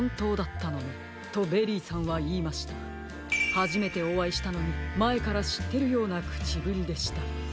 はじめておあいしたのにまえからしってるようなくちぶりでした。